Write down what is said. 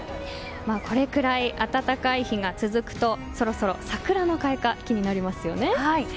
これくらい暖かい日が続くとそろそろ桜の開花気になりますよね。